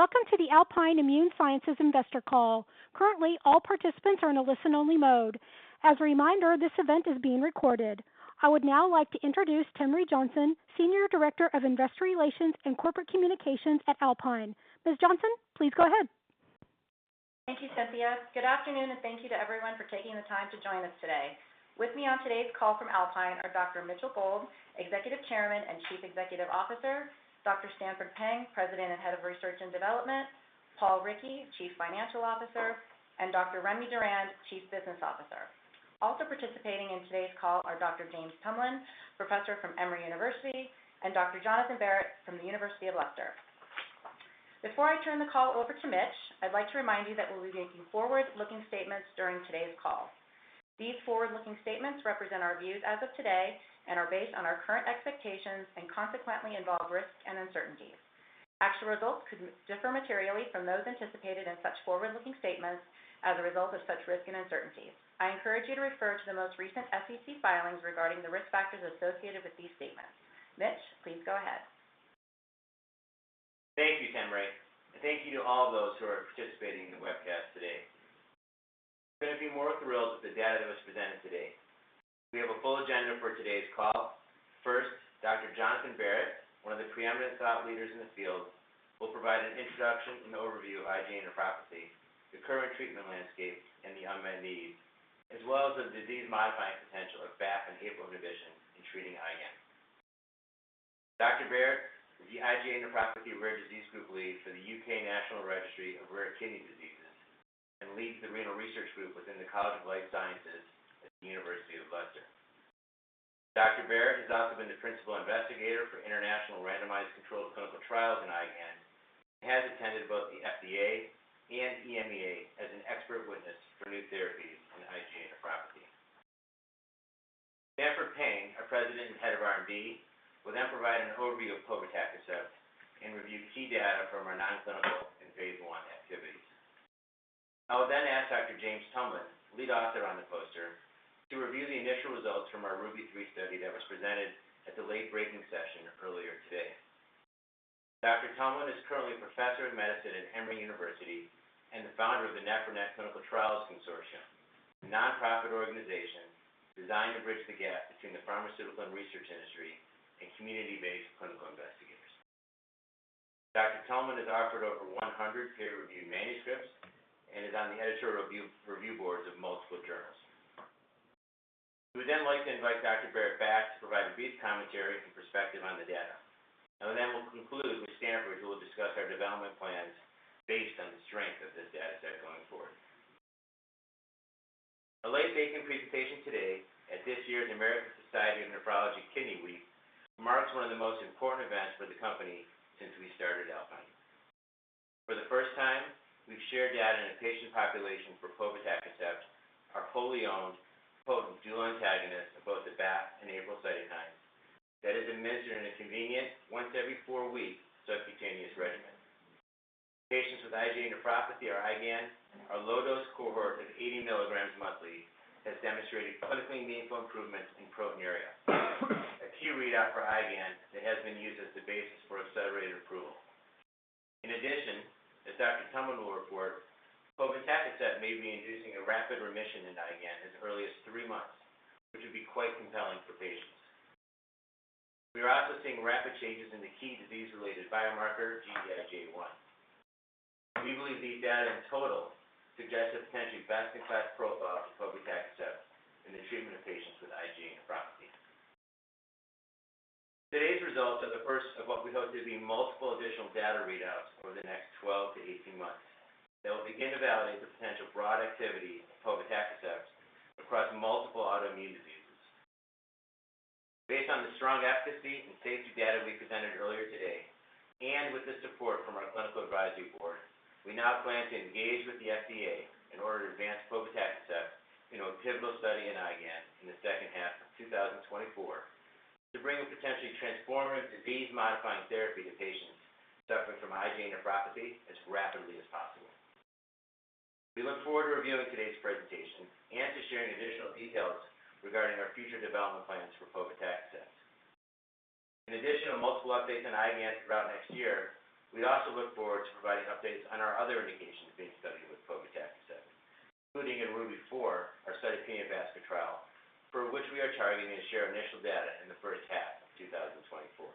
Welcome to the Alpine Immune Sciences investor call. Currently, all participants are in a listen-only mode. As a reminder, this event is being recorded. I would now like to introduce Temre Johnson, Senior Director of Investor Relations and Corporate Communications at Alpine. Ms. Johnson, please go ahead. Thank you, Cynthia. Good afternoon, and thank you to everyone for taking the time to join us today. With me on today's call from Alpine are Dr. Mitchell Gold, Executive Chairman and Chief Executive Officer, Dr. Stanford Peng, President and Head of Research and Development, Paul Rickey, Chief Financial Officer, and Dr. Remy Durand, Chief Business Officer. Also participating in today's call are Dr. James Tumlin, professor from Emory University, and Dr. Jonathan Barratt from the University of Leicester. Before I turn the call over to Mitch, I'd like to remind you that we'll be making forward-looking statements during today's call. These forward-looking statements represent our views as of today and are based on our current expectations and consequently involve risks and uncertainties. Actual results could differ materially from those anticipated in such forward-looking statements as a result of such risk and uncertainties. I encourage you to refer to the most recent SEC filings regarding the risk factors associated with these statements. Mitch, please go ahead. Thank you, Temre, and thank you to all those who are participating in the webcast today. I couldn't be more thrilled with the data that was presented today. We have a full agenda for today's call. First, Dr. Jonathan Barratt, one of the preeminent thought leaders in the field, will provide an introduction and overview of IgA nephropathy, the current treatment landscape and the unmet needs, as well as the disease-modifying potential of BAFF and APRIL inhibition in treating IgAN. Dr. Barratt is the IgA nephropathy Rare Disease Group lead for the UK National Registry of Rare Kidney Diseases, and leads the renal research group within the College of Life Sciences at the University of Leicester. Dr. Barratt has also been the principal investigator for international randomized controlled clinical trials in IgAN, and has attended both the FDA and EMEA as an expert witness for new therapies in IgA nephropathy. Stanford Peng, our President and Head of R&D, will then provide an overview of povetacicept and review key data from our non-clinical and phase I activities. I will then ask Dr. James Tumlin, lead author on the poster, to review the initial results from our RUBY-3 study that was presented at the late-breaking session earlier today. Dr. Tumlin is currently a professor of medicine at Emory University and the founder of the NephroNet Clinical Trials Consortium, a nonprofit organization designed to bridge the gap between the pharmaceutical and research industry and community-based clinical investigators. Dr. Tumlin has authored over 100 peer-reviewed manuscripts and is on the editorial review, review boards of multiple journals. We would then like to invite Dr. Barratt back to provide a brief commentary and perspective on the data. I will then, we'll conclude with Stanford, who will discuss our development plans based on the strength of this data set going forward. A late-breaking presentation today at this year's American Society of Nephrology Kidney Week marks one of the most important events for the company since we started Alpine. For the first time, we've shared data in a patient population for povetacicept, our fully owned potent dual antagonist of both the BAFF and APRIL cytokines, that is administered in a convenient, once every four weeks subcutaneous regimen. Patients with IgA nephropathy or IgAN, our low-dose cohort of 80mg monthly, has demonstrated clinically meaningful improvements in proteinuria, a key readout for IgAN that has been used as the basis for accelerated approval. In addition, as Dr. Tumlin will report, povetacicept may be inducing a rapid remission in IgAN as early as three months, which would be quite compelling for patients. We are also seeing rapid changes in the key disease-related biomarker, Gd-IgA1. We believe these data in total suggest a potentially best-in-class profile for povetacicept in the treatment of patients with IgA nephropathy. Today's results are the first of what we hope to be multiple additional data readouts over the next 12 to 18 months, that will begin to validate the potential broad activity of povetacicept across multiple autoimmune diseases. Based on the strong efficacy and safety data we presented earlier today, and with the support from our clinical advisory board, we now plan to engage with the FDA in order to advance povetacicept in a pivotal study in IgAN in the H2 of 2024, to bring a potentially transformative disease-modifying therapy to patients suffering from IgA nephropathy as rapidly as possible. We look forward to reviewing today's presentation and to sharing additional details regarding our future development plans for povetacicept. In addition to multiple updates on IgAN throughout next year, we also look forward to providing updates on our other indications being studied with povetacicept, including in RUBY-4, our cytopenias trial, for which we are targeting to share initial data in the H1 of 2024.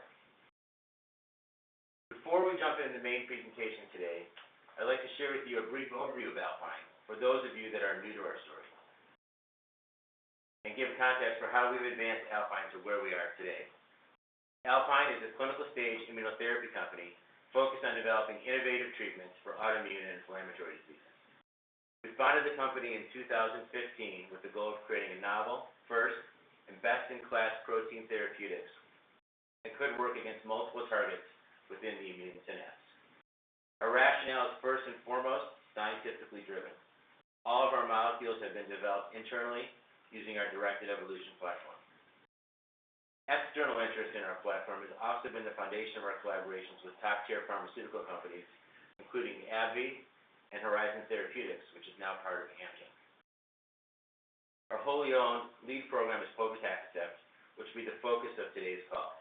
Before we jump into the main presentation today, I'd like to share with you a brief overview of Alpine, for those of you that are new to our story, and give context for how we've advanced Alpine to where we are today. Alpine is a clinical-stage immunotherapy company focused on developing innovative treatments for autoimmune and inflammatory diseases. We founded the company in 2015 with the goal of creating a novel, first, and best-in-class protein therapeutics that could work against multiple targets within the immune synapse. Our rationale is, first and foremost, scientifically driven. All of our molecules have been developed internally using our directed evolution platform. External interest in our platform has also been the foundation of our collaborations with top-tier pharmaceutical companies, including AbbVie and Horizon Therapeutics, which is now part of Amgen. Our wholly owned lead program is povetacicept, which will be the focus of today's call.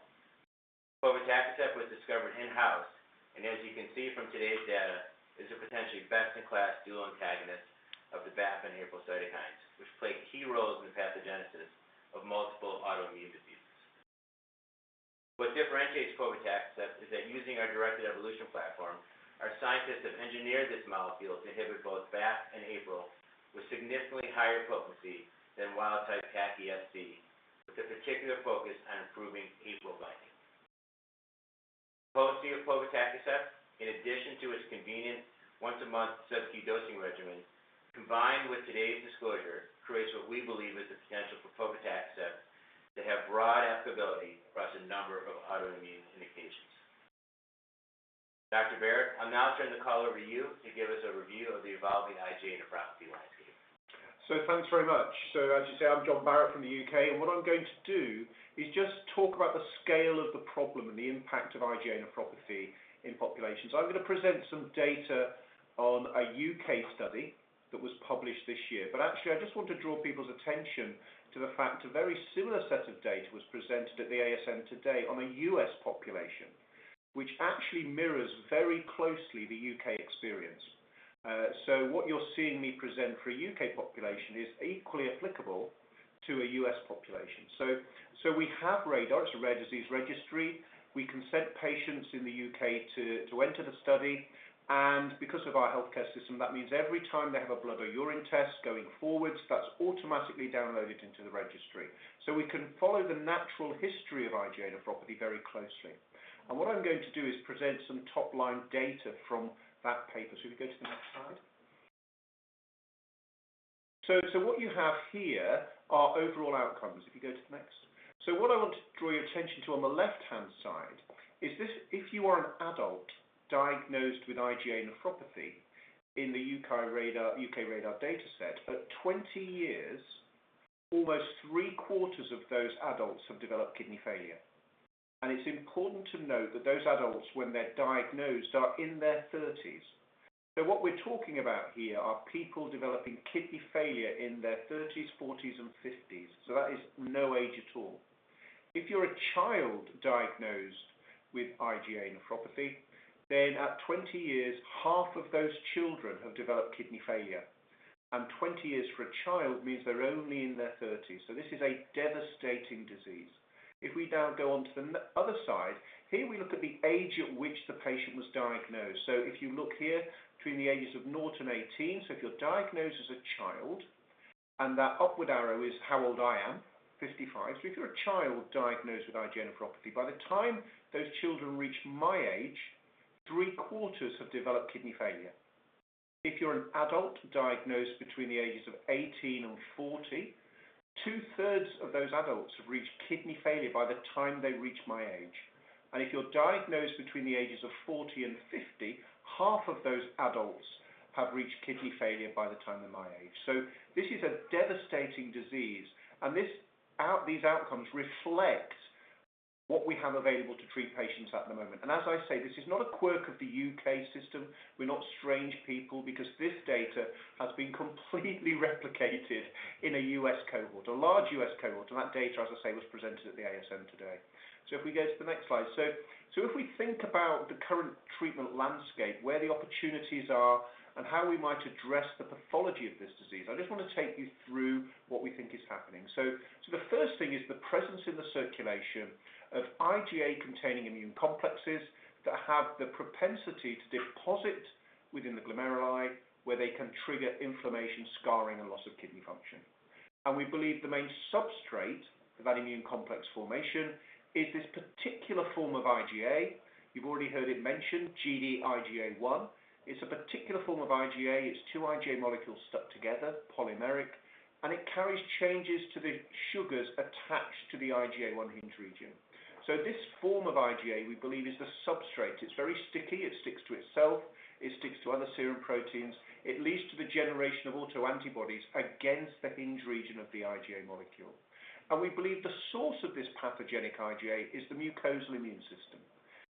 Povetacicept was discovered in-house, and as you can see from today's data, is a potentially best-in-class dual antagonist of the BAFF and APRIL cytokines, which play key roles in the pathogenesis of multiple autoimmune diseases. What differentiates povetacicept is that using our directed evolution platform, our scientists have engineered this molecule to inhibit both BAFF and APRIL with significantly higher potency than wild type TACI-Fc, with a particular focus on improving APRIL binding. Potency of povetacicept, in addition to its convenient once-a-month subq dosing regimen, combined with today's disclosure, creates what we believe is the potential for povetacicept to have broad applicability across a number of autoimmune indications. Dr. Barratt, I'll now turn the call over to you to give us a review of the evolving IgA nephropathy landscape. So thanks very much. So as you say, I'm Jonathan Barratt from the UK, and what I'm going to do is just talk about the scale of the problem and the impact of IgA nephropathy in populations. I'm going to present some data on a UK study that was published this year. But actually, I just want to draw people's attention to the fact a very similar set of data was presented at the ASN today on a US population, which actually mirrors very closely the UK experience. So what you're seeing me present for a UK population is equally applicable to a US population. So we have RADAR, it's a rare disease registry. We consent patients in the UK to enter the study, and because of our healthcare system, that means every time they have a blood or urine test going forward, that's automatically downloaded into the registry. So we can follow the natural history of IgA nephropathy very closely. What I'm going to do is present some top-line data from that paper. So if we go to the next slide. So what you have here are overall outcomes. If you go to the next. So what I want to draw your attention to on the left-hand side is this, if you are an adult diagnosed with IgA nephropathy in the UK RADAR, UK RADAR data set, at 20 years, almost three-quarters of those adults have developed kidney failure. It's important to note that those adults, when they're diagnosed, are in their thirties. So what we're talking about here are people developing kidney failure in their 30s, 40s, and 50s. So that is no age at all. If you're a child diagnosed with IgA nephropathy, then at 20 years, half of those children have developed kidney failure, and 20 years for a child means they're only in their 30s. So this is a devastating disease. If we now go on to the other side, here, we look at the age at which the patient was diagnosed. So if you look here between the ages of 0 and 18, so if you're diagnosed as a child, and that upward arrow is how old I am, 55. So if you're a child diagnosed with IgA nephropathy, by the time those children reach my age, three-quarters have developed kidney failure. If you're an adult diagnosed between the ages of 18 and 40, 2/3 of those adults have reached kidney failure by the time they reach my age. If you're diagnosed between the ages of 40 and 50, half of those adults have reached kidney failure by the time of my age. This is a devastating disease, and these outcomes reflect what we have available to treat patients at the moment. As I say, this is not a quirk of the UK system. We're not strange people, because this data has been completely replicated in a US cohort, a large US cohort. That data, as I say, was presented at the ASN today. If we go to the next slide. So, if we think about the current treatment landscape, where the opportunities are, and how we might address the pathology of this disease, I just want to take you through what we think is happening. So, the first thing is the presence in the circulation of IgA-containing immune complexes that have the propensity to deposit within the glomeruli, where they can trigger inflammation, scarring, and loss of kidney function. And we believe the main substrate of that immune complex formation is this particular form of IgA. You've already heard it mentioned, Gd-IgA1. It's a particular form of IgA. It's two IgA molecules stuck together, polymeric, and it carries changes to the sugars attached to the IgA one hinge region. So this form of IgA, we believe, is the substrate. It's very sticky. It sticks to itself, it sticks to other serum proteins. It leads to the generation of autoantibodies against the hinge region of the IgA molecule. And we believe the source of this pathogenic IgA is the mucosal immune system.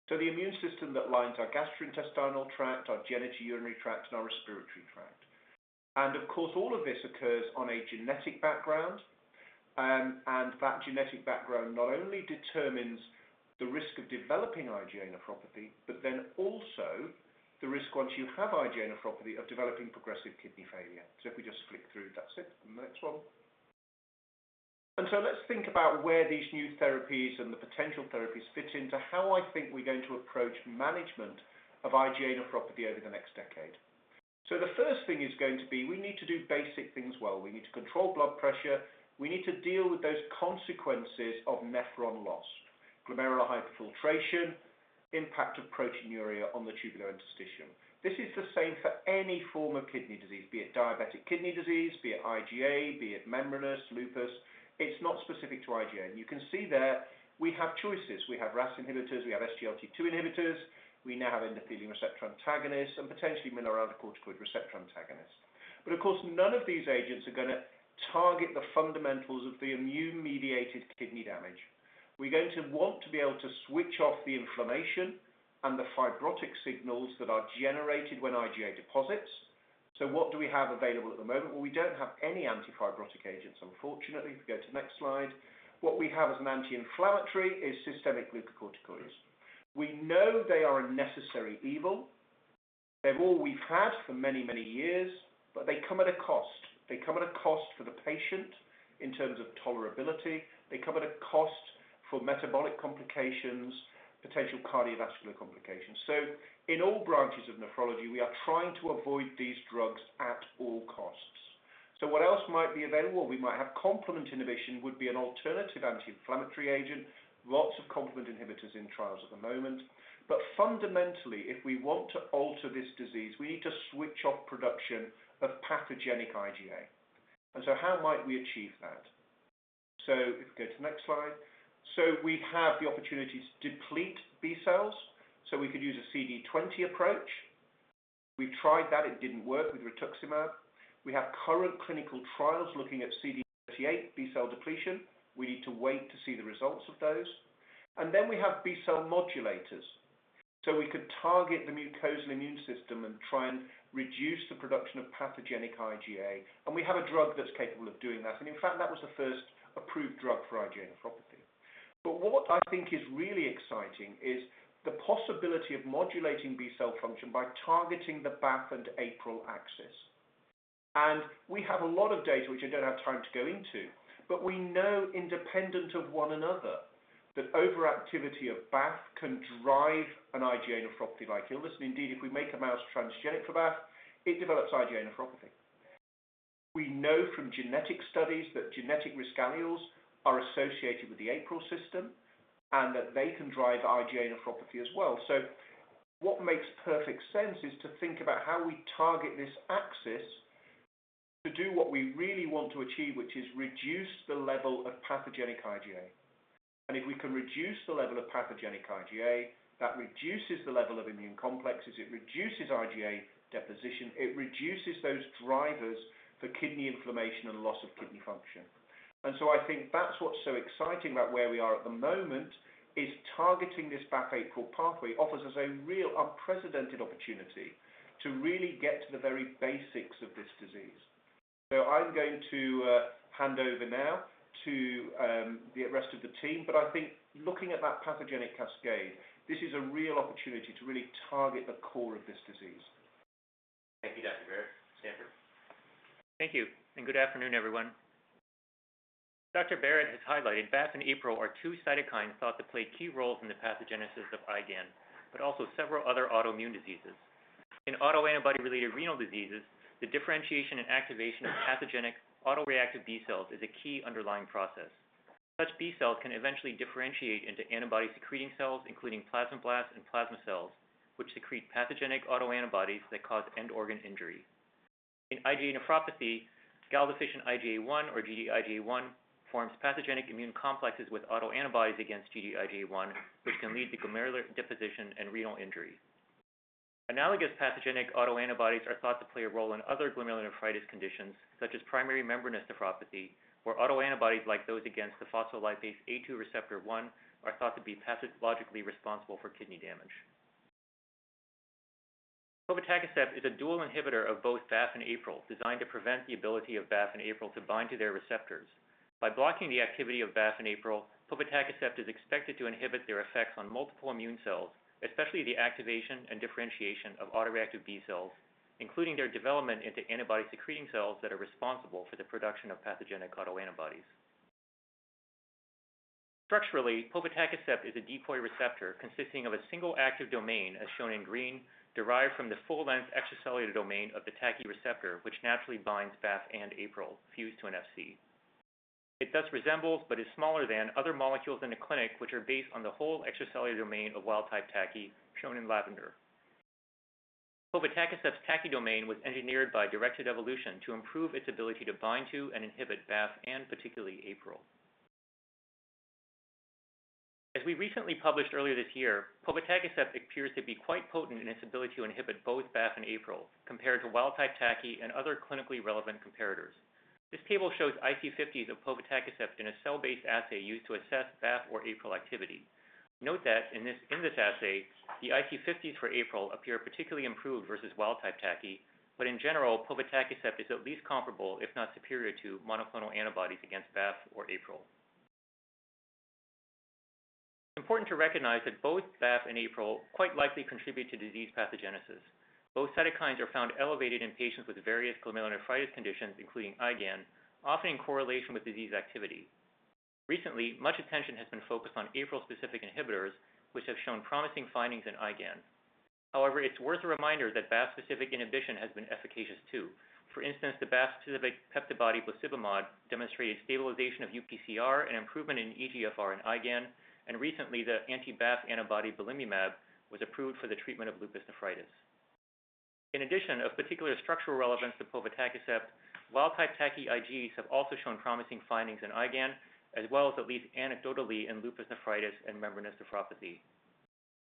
So the immune system that lines our gastrointestinal tract, our genitourinary tract, and our respiratory tract. And of course, all of this occurs on a genetic background, and that genetic background not only determines the risk of developing IgA nephropathy, but then also the risk once you have IgA nephropathy of developing progressive kidney failure. So if we just flick through, that's it. The next one. And so let's think about where these new therapies and the potential therapies fit into how I think we're going to approach management of IgA nephropathy over the next decade. So the first thing is going to be, we need to do basic things well. We need to control blood pressure. We need to deal with those consequences of nephron loss, glomerular hyperfiltration, impact of proteinuria on the tubulointerstitium. This is the same for any form of kidney disease, be it diabetic kidney disease, be it IgA, be it membranous, lupus. It's not specific to IgA. You can see there, we have choices. We have RAS inhibitors, we have SGLT2 inhibitors, we now have endothelin receptor antagonists, and potentially mineralocorticoid receptor antagonists. But of course, none of these agents are gonna target the fundamentals of the immune-mediated kidney damage. We're going to want to be able to switch off the inflammation and the fibrotic signals that are generated when IgA deposits. So what do we have available at the moment? Well, we don't have any anti-fibrotic agents, unfortunately. If you go to the next slide, what we have as an anti-inflammatory is systemic glucocorticoids. We know they are a necessary evil. They're all we've had for many, many years, but they come at a cost. They come at a cost for the patient in terms of tolerability. They come at a cost for metabolic complications, potential cardiovascular complications. So in all branches of nephrology, we are trying to avoid these drugs at all costs. So what else might be available? We might have complement inhibition, would be an alternative anti-inflammatory agent. Lots of complement inhibitors in trials at the moment. But fundamentally, if we want to alter this disease, we need to switch off production of pathogenic IgA. And so how might we achieve that? So if you go to the next slide. So we have the opportunity to deplete B cells, so we could use a CD20 approach. We tried that, it didn't work with rituximab. We have current clinical trials looking at CD38 B cell depletion. We need to wait to see the results of those. And then we have B cell modulators. So we could target the mucosal immune system and try and reduce the production of pathogenic IgA, and we have a drug that's capable of doing that. And in fact, that was the first approved drug for IgA nephropathy. But what I think is really exciting is the possibility of modulating B cell function by targeting the BAFF and APRIL axis. And we have a lot of data, which I don't have time to go into, but we know independent of one another, that overactivity of BAFF can drive an IgA nephropathy-like illness. And indeed, if we make a mouse transgenic for BAFF, it develops IgA nephropathy. We know from genetic studies that genetic risk alleles are associated with the APRIL system and that they can drive IgA nephropathy as well. So what makes perfect sense is to think about how we target this axis to do what we really want to achieve, which is reduce the level of pathogenic IgA. And if we can reduce the level of pathogenic IgA, that reduces the level of immune complexes, it reduces IgA deposition, it reduces those drivers for kidney inflammation and loss of kidney function. And so I think that's what's so exciting about where we are at the moment, is targeting this BAFF/APRIL pathway offers us a real unprecedented opportunity to really get to the very basics of this disease. So I'm going to hand over now to the rest of the team. I think looking at that pathogenic cascade, this is a real opportunity to really target the core of this disease. Thank you, Dr. Barratt. Stanford? Thank you, and good afternoon, everyone. Dr. Barratt has highlighted BAFF and APRIL are two cytokines thought to play key roles in the pathogenesis of IgAN, but also several other autoimmune diseases. In autoantibody-related renal diseases, the differentiation and activation of pathogenic autoreactive B cells is a key underlying process. Such B cells can eventually differentiate into antibody-secreting cells, including plasmablasts and plasma cells, which secrete pathogenic autoantibodies that cause end organ injury. In IgA nephropathy, galactose-deficient IgA1, or Gd-IgA1, forms pathogenic immune complexes with autoantibodies against Gd-IgA1, which can lead to glomerular deposition and renal injury. Analogous pathogenic autoantibodies are thought to play a role in other glomerulonephritis conditions, such as primary membranous nephropathy, where autoantibodies, like those against the phospholipase A2 receptor 1, are thought to be pathologically responsible for kidney damage. Povetacicept is a dual inhibitor of both BAFF and APRIL, designed to prevent the ability of BAFF and APRIL to bind to their receptors. By blocking the activity of BAFF and APRIL, povetacicept is expected to inhibit their effects on multiple immune cells, especially the activation and differentiation of autoreactive B cells, including their development into antibody-secreting cells that are responsible for the production of pathogenic autoantibodies. Structurally, povetacicept is a decoy receptor consisting of a single active domain, as shown in green, derived from the full-length extracellular domain of the TACI receptor, which naturally binds BAFF and APRIL, fused to an Fc. It thus resembles, but is smaller than, other molecules in the clinic, which are based on the whole extracellular domain of wild type TACI, shown in lavender. Povetacicept's TACI domain was engineered by directed evolution to improve its ability to bind to and inhibit BAFF and particularly APRIL. As we recently published earlier this year, povetacicept appears to be quite potent in its ability to inhibit both BAFF and APRIL compared to wild type TACI and other clinically relevant comparators. This table shows IC50s of povetacicept in a cell-based assay used to assess BAFF or APRIL activity. Note that in this assay, the IC50s for APRIL appear particularly improved versus wild type TACI, but in general, povetacicept is at least comparable, if not superior, to monoclonal antibodies against BAFF or APRIL. It's important to recognize that both BAFF and APRIL quite likely contribute to disease pathogenesis. Both cytokines are found elevated in patients with various glomerulonephritis conditions, including IgAN, often in correlation with disease activity. Recently, much attention has been focused on APRIL-specific inhibitors, which have shown promising findings in IgAN. However, it's worth a reminder that BAFF-specific inhibition has been efficacious too. For instance, the BAFF-specific peptibody, belimumab, demonstrated stabilization of UPCR and improvement in eGFR and IgAN, and recently, the anti-BAFF antibody, belimumab, was approved for the treatment of lupus nephritis. In addition, of particular structural relevance to povetacicept, wild type TACI Igs have also shown promising findings in IgAN, as well as at least anecdotally in lupus nephritis and membranous nephropathy.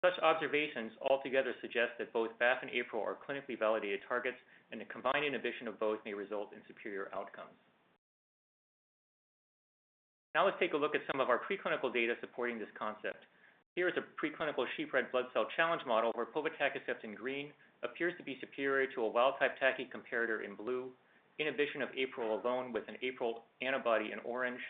Such observations altogether suggest that both BAFF and APRIL are clinically validated targets, and the combined inhibition of both may result in superior outcomes. Now let's take a look at some of our preclinical data supporting this concept. Here is a preclinical sheep red blood cell challenge model, where povetacicept in green appears to be superior to a wild type TACI comparator in blue, inhibition of APRIL alone with an APRIL antibody in orange,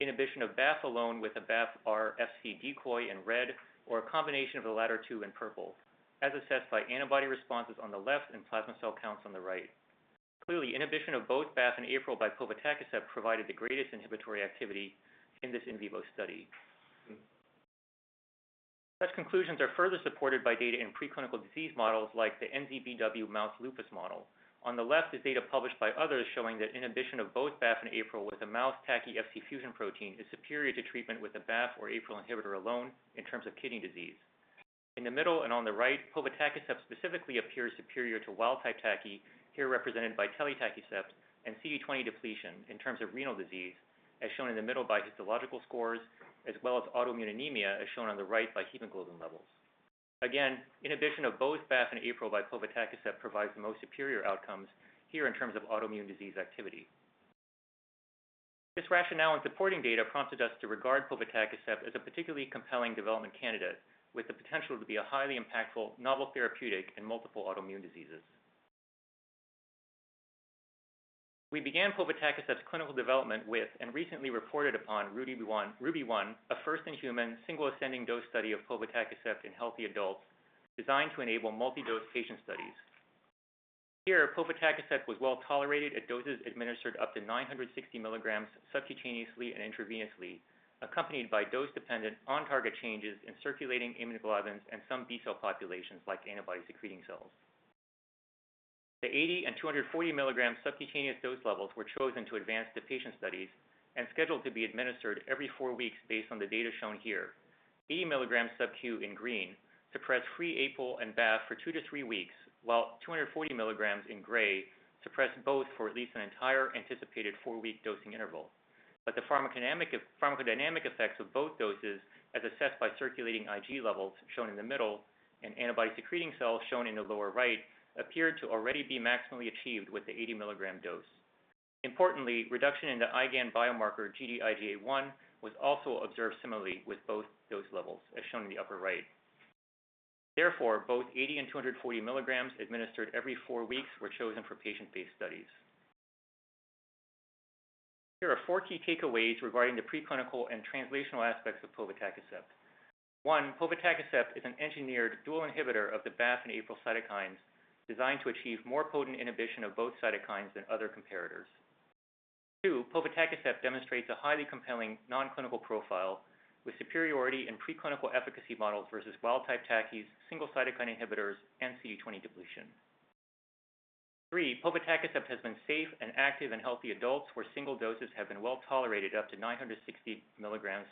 inhibition of BAFF alone with a BAFF-R FC decoy in red, or a combination of the latter two in purple, as assessed by antibody responses on the left and plasma cell counts on the right. Clearly, inhibition of both BAFF and APRIL by povetacicept provided the greatest inhibitory activity in this in vivo study. Such conclusions are further supported by data in preclinical disease models like the NZB/W mouse lupus model. On the left is data published by others, showing that inhibition of both BAFF and APRIL with a mouse TACI FC fusion protein is superior to treatment with a BAFF or APRIL inhibitor alone in terms of kidney disease. In the middle and on the right, povetacicept specifically appears superior to wild type TACI, here represented by telitacicept and CD20 depletion in terms of renal disease, as shown in the middle by histological scores, as well as autoimmune anemia, as shown on the right by hemoglobin levels. Again, inhibition of both BAFF and APRIL by povetacicept provides the most superior outcomes here in terms of autoimmune disease activity. This rationale and supporting data prompted us to regard povetacicept as a particularly compelling development candidate, with the potential to be a highly impactful novel therapeutic in multiple autoimmune diseases. We began povetacicept's clinical development with, and recently reported upon, RUBY-1, a first-in-human, single ascending dose study of povetacicept in healthy adults designed to enable multi-dose patient studies. Here, povetacicept was well-tolerated at doses administered up to 960mg subcutaneously and intravenously, accompanied by dose-dependent on-target changes in circulating immunoglobulins and some B cell populations, like antibody-secreting cells. The 80 and 240mg subcutaneous dose levels were chosen to advance the patient studies and scheduled to be administered every four weeks based on the data shown here. 80mg subQ in green suppressed free APRIL and BAFF for two to three weeks, while 240mg in gray suppressed both for at least an entire anticipated four-week dosing interval. But the pharmacodynamic effects of both doses, as assessed by circulating IG levels shown in the middle and antibody-secreting cells shown in the lower right, appeared to already be maximally achieved with the 80mg dose. Importantly, reduction in the IgAN biomarker, Gd-IgA1, was also observed similarly with both dose levels, as shown in the upper right. Therefore, both 80 and 240mg administered every four weeks were chosen for patient-based studies. Here are four key takeaways regarding the preclinical and translational aspects of povetacicept. One, povetacicept is an engineered dual inhibitor of the BAFF and APRIL cytokines, designed to achieve more potent inhibition of both cytokines than other comparators. Two, povetacicept demonstrates a highly compelling non-clinical profile with superiority in preclinical efficacy models versus wild type TACIs, single cytokine inhibitors, and CD20 depletion. Three, povetacicept has been safe and active in healthy adults, where single doses have been well-tolerated up to 960mg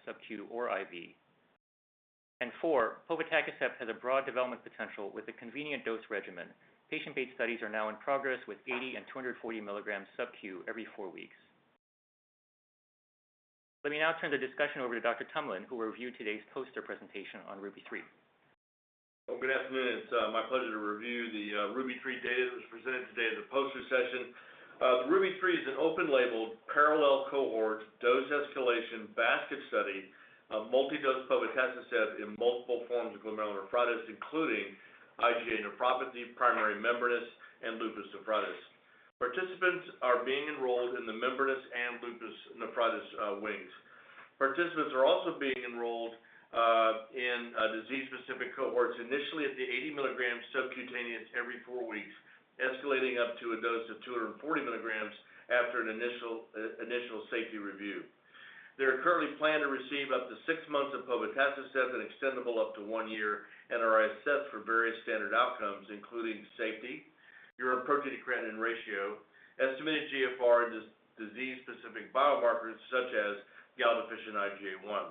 subQ or IV. And four, povetacicept has a broad development potential with a convenient dose regimen. Patient-based studies are now in progress with 80 and 240mg subQ every four weeks. Let me now turn the discussion over to Dr. Tumlin, who will review today's poster presentation on RUBY-3. Well, good afternoon. It's my pleasure to review the RUBY-3 data that was presented today at the poster session. The RUBY-3 is an open-label, parallel cohort, dose escalation basket study of multi-dose povetacicept in multiple forms of glomerulonephritis, including IgA nephropathy, primary membranous, and lupus nephritis. Participants are being enrolled in the membranous and lupus nephritis wings. Participants are also being enrolled in disease-specific cohorts, initially at the 80mg subcutaneous every four weeks, escalating up to a dose of 240mg after an initial safety review. They are currently planned to receive up to six months of povetacicept, and extendible up to one year, and are assessed for various standard outcomes, including safety, urine protein to creatinine ratio, estimated GFR, and disease-specific biomarkers such as Gd-IgA1 and IgA1.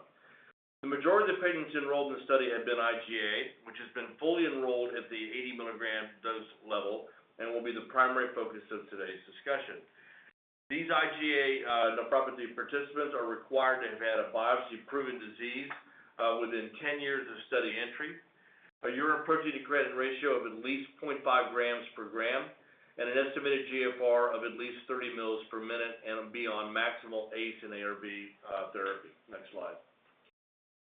The majority of patients enrolled in the study have been IgA, which has been fully enrolled at the 80 mg dose level and will be the primary focus of today's discussion. These IgA nephropathy participants are required to have had a biopsy-proven disease, within 10 years of study entry, a urine protein to creatinine ratio of at least 0.5 g/g, and an estimated GFR of at least 30 mL/min and be on maximal ACE and ARB therapy. Next slide.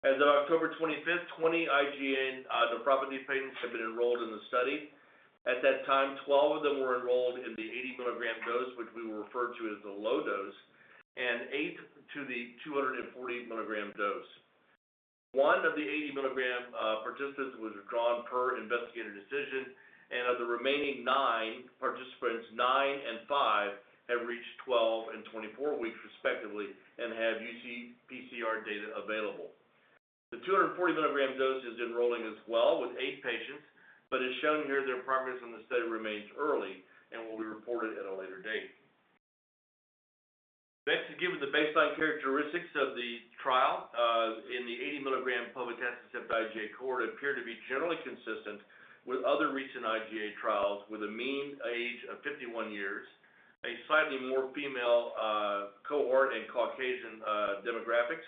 As of October 25th, 20 IgA nephropathy patients have been enrolled in the study. At that time, 12 of them were enrolled in the 80mg dose, which we will refer to as the low dose, and eight to the 240mg dose. One of the 80mg participants was withdrawn per investigator decision, and of the remaining nine participants, nine and five have reached 12 and 24 weeks respectively and have UPCR data available. The 240mg dose is enrolling as well with eight patients, but as shown here, their progress on the study remains early and will be reported at a later date. Next, to give you the baseline characteristics of the trial. In the 80mg povetacicept IgA cohort appear to be generally consistent with other recent IgA trials, with a mean age of 51 years. A slightly more female cohort and Caucasian demographics.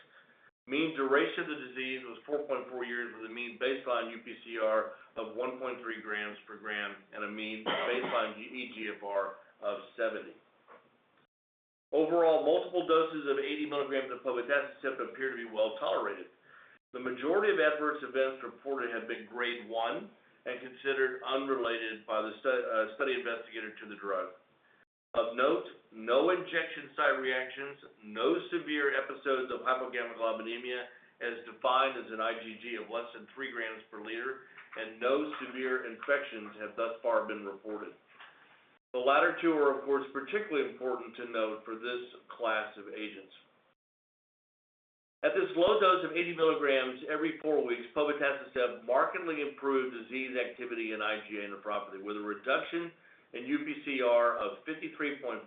Mean duration of the disease was 4.4 years, with a mean baseline UPCR of 1.3 grams per gram and a mean baseline eGFR of 70. Overall, multiple doses of 80mg of povetacicept appear to be well tolerated. The majority of adverse events reported have been grade 1 and considered unrelated by the study investigator to the drug. Of note, no injection site reactions, no severe episodes of hypogammaglobulinemia, as defined as an IgG of less than three grams per liter, and no severe infections have thus far been reported. The latter two are, of course, particularly important to note for this class of agents. At this low dose of 80mg every four weeks, povetacicept markedly improved disease activity in IgA nephropathy, with a reduction in UPCR of 53.5%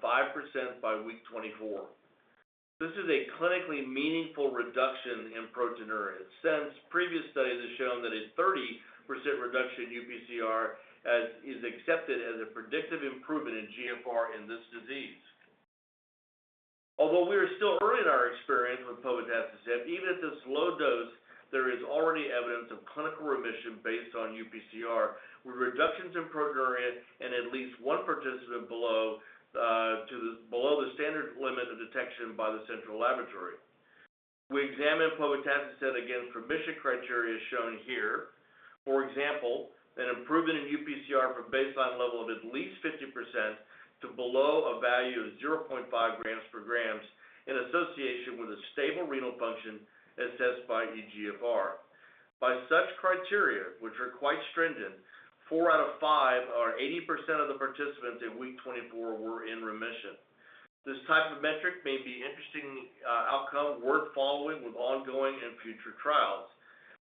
by week 24. This is a clinically meaningful reduction in proteinuria. Since previous studies have shown that a 30% reduction in UPCR is accepted as a predictive improvement in GFR in this disease. Although we are still early in our experience with povetacicept, even at this low dose, there is already evidence of clinical remission based on UPCR, with reductions in proteinuria in at least one participant below the standard limit of detection by the central laboratory. We examined povetacicept against remission criteria, as shown here. For example, an improvement in UPCR from baseline level of at least 50% to below a value of 0.5 grams per grams, in association with a stable renal function, as assessed by eGFR. By such criteria, which are quite stringent, four out of five or 80% of the participants in week 24 were in remission. This type of metric may be interesting outcome worth following with ongoing and future trials.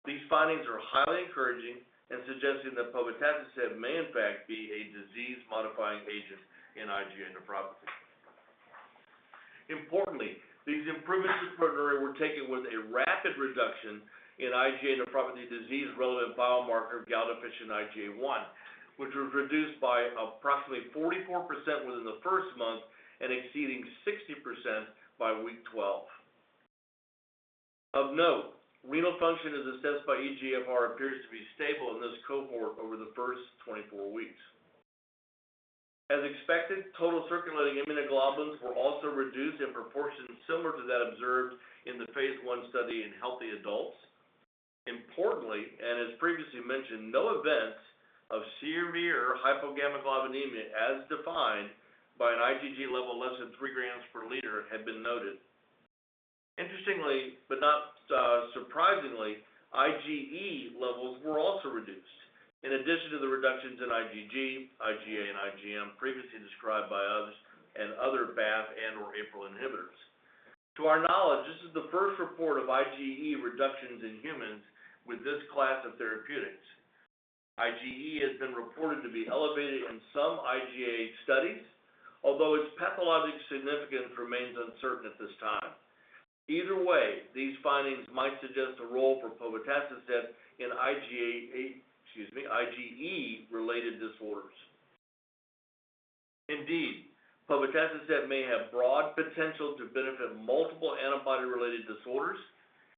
These findings are highly encouraging and suggesting that povetacicept may in fact be a disease-modifying agent in IgA nephropathy. Importantly, these improvements in proteinuria were taken with a rapid reduction in IgA nephropathy disease-relevant biomarker of galactose-deficient IgA1, which was reduced by approximately 44% within the first month and exceeding 60% by week 12. Of note, renal function, as assessed by eGFR, appears to be stable in this cohort over the first 24 weeks. As expected, total circulating immunoglobulins were also reduced in proportion similar to that observed in the phase I study in healthy adults. Importantly, and as previously mentioned, no events of severe hypogammaglobulinemia, as defined by an IgG level less than three grams per liter, had been noted. Interestingly, but not surprisingly, IgE levels were also reduced, in addition to the reductions in IgG, IgA, and IgM previously described by us and other BAFF and/or APRIL inhibitors. To our knowledge, this is the first report of IgE reductions in humans with this class of therapeutics. IgE has been reported to be elevated in some IgA studies, although its pathologic significance remains uncertain at this time. Either way, these findings might suggest a role for povetacicept in IgA, excuse me, IgE-related disorders. Indeed, povetacicept may have broad potential to benefit multiple antibody-related disorders.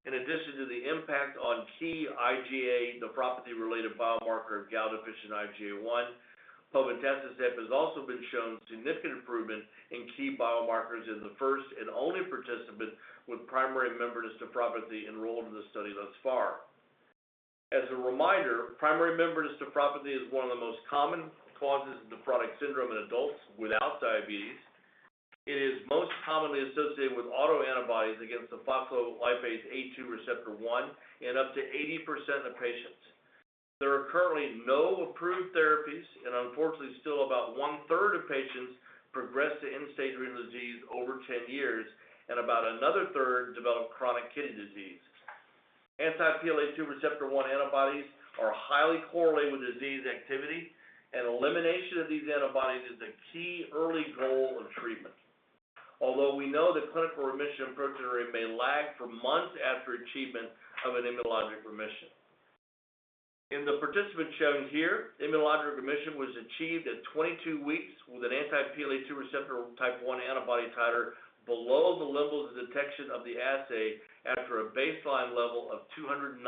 In addition to the impact on key IgA nephropathy-related biomarker of gal-deficient IgA1, povetacicept has also been shown significant improvement in key biomarkers in the first and only participant with primary membranous nephropathy enrolled in the study thus far. As a reminder, primary membranous nephropathy is one of the most common causes of nephrotic syndrome in adults without diabetes. It is most commonly associated with autoantibodies against the phospholipase A2 receptor 1 in up to 80% of patients. There are currently no approved therapies, and unfortunately, still about one-third of patients progress to end-stage renal disease over 10 years, and about another third develop chronic kidney disease. Anti-PLA2R1 antibodies are highly correlated with disease activity, and elimination of these antibodies is a key early goal of treatment. Although we know that clinical remission proteinuria may lag for months after achievement of an immunologic remission. In the participant shown here, immunologic remission was achieved at 22 weeks with an anti-PLA2R1 antibody titer below the level of detection of the assay after a baseline level of 209.